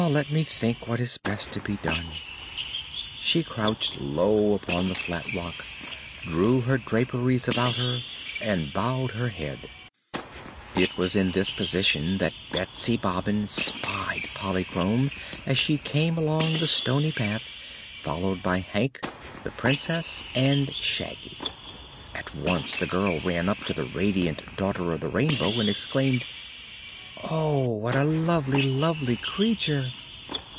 Let me think what is best to be done." She crouched low upon the flat rock, drew her draperies about her and bowed her head. It was in this position that Betsy Bobbin spied Polychrome as she came along the stony path, followed by Hank, the Princess and Shaggy. At once the girl ran up to the radiant Daughter of the Rainbow and exclaimed: "Oh, what a lovely, lovely creature!"